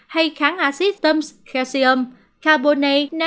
hay kháng acid thums kelsium carbonate